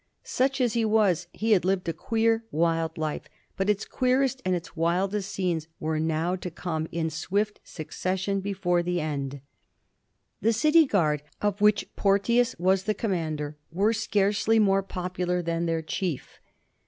Sach as he was, he had lived a queer, wild life, but its queerest and its wildest scenes were now to come in swift succession before the end. The city guard, of which Porteous was the commander, were scarcely more popular than their chief.